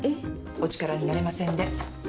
お力になれませんで。